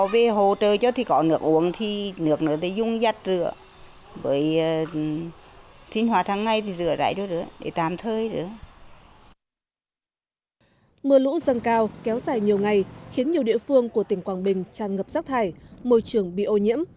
mưa lũ dần cao kéo dài nhiều ngày khiến nhiều địa phương của tỉnh quảng bình tràn ngập rác thải môi trường bị ô nhiễm